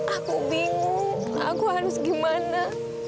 aku bingung aku harus gimana